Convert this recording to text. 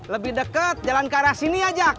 lebih deket jalan ke arah sini ya jack